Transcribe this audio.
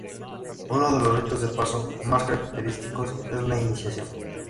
Uno de los ritos de paso más característicos es la iniciación.